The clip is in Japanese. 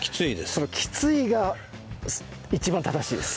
このきついが一番正しいです。